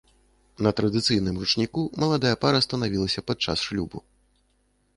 На традыцыйным ручніку маладая пара станавілася падчас шлюбу.